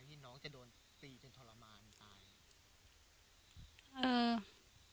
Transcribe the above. ที่น้องจะโดนตีจนทรมานตาย